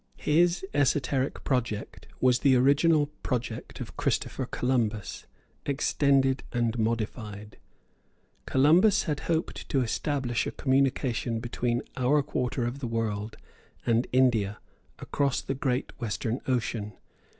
His esoteric project was the original project of Christopher Columbus, extended and modified. Columbus had hoped to establish a communication between our quarter of the world and India across the great western ocean.